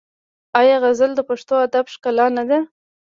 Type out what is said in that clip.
آیا غزل د پښتو ادب ښکلا نه ده؟